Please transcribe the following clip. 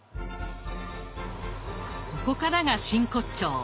ここからが真骨頂。